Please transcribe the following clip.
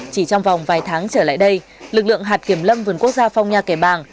chỉ trong vòng vài tháng trở lại đây lực lượng hạt kiểm lâm vườn quốc gia phong nha kẻ bàng